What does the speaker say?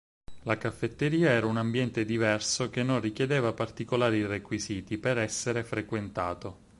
La caffetteria era un ambiente diverso che non richiedeva particolari requisiti per essere frequentato.